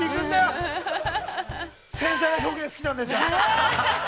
繊細な表現好きなんですね。